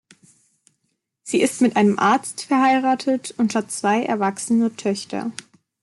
Sie ist mit einem Arzt verheiratet und hat zwei erwachsene Töchter.